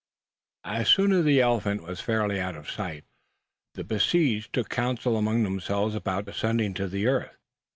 As soon as the elephant was fairly out of sight, the besieged took counsel among themselves about descending to the earth.